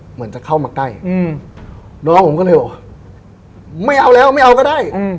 เหมือนจะเข้ามาใกล้น้องผมก็เลยบอกว่าไม่เอาแล้วไม่เอาก็ได้